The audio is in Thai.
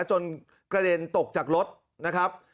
กระเด็นตกจากรถนะครับ